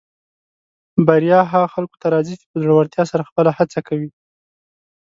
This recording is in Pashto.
بریا هغه خلکو ته راځي چې په زړۀ ورتیا سره خپله هڅه کوي.